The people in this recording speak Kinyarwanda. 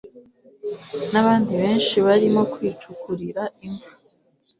nabandi benshi barimo kwicukurira imva